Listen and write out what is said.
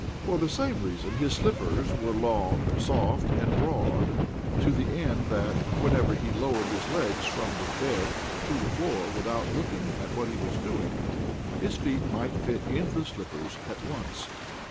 For the same reason his slippers were long, soft, and broad, to the end that, whenever he lowered his legs from the bed to the floor without looking at what he was doing, his feet might fit into the slippers at once.